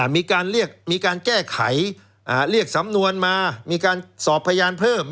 มีการแก้ไขเรียกสำนวนมา